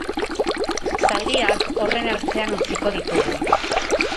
Zaldiak horren ertzean utziko ditugu.